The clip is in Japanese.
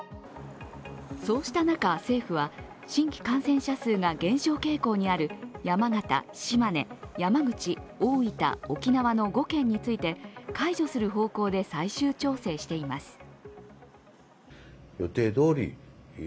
そうした中で、政府は新規感染者数が減少傾向にある山形、島根、山口、大分、沖縄の５県について解除する方向で最終調整しています。